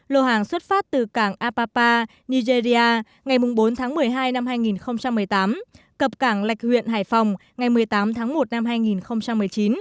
lô hàng xuất phát từ cảng apapa nigeria ngày bốn tháng một mươi hai năm hai nghìn một mươi tám cập cảng lạch huyện hải phòng ngày một mươi tám tháng một năm hai nghìn một mươi chín